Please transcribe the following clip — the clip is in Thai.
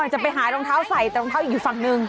จะไปหารองเท้าใส่แต่รองเท้าอีกอยู่ฝั่งหนึ่ง